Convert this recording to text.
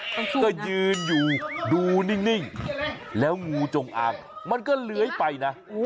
ก็คือก็ยืนอยู่ดูนิ่งแล้วงูจงอางมันก็เลื้อยไปนะ